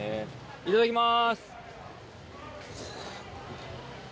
いただきます。